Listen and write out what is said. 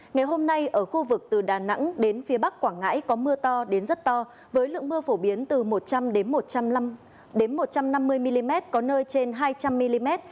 ngày hôm nay ở khu vực từ đà nẵng đến phía bắc quảng ngãi có mưa to đến rất to với lượng mưa phổ biến từ một trăm linh một trăm năm mươi mm có nơi trên hai trăm linh mm